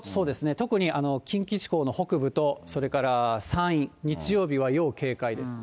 特に近畿地方の北部と、それから山陰、日曜日は要警戒です。